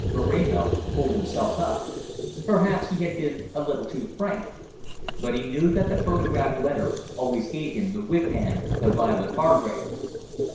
Moreno pulled himself up; perhaps he had been a little too frank. But he knew that the photographed letter always gave him the whip hand of Violet Hargrave.